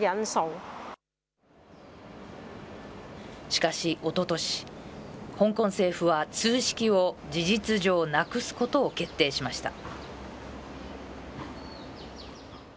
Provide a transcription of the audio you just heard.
しかし、おととし、香港政府は通識を事実上、なくすことを決定しました。